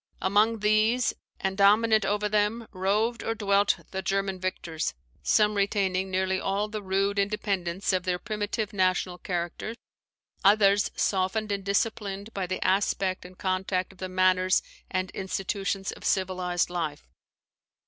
Among these, and dominant over them, roved or dwelt the German victors: some retaining nearly all the rude independence of their primitive national character; others, softened and disciplined by the aspect and contact of the manners and institutions of civilized life.